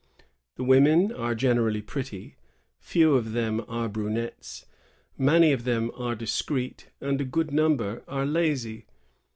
The women are generally pretty ; few of them are brunettes ; many of them are discreet, and a good number are lazy.